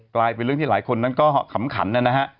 กลายเป็นเรื่องที่หลายคนนั้นก็ขำขันนะฮะ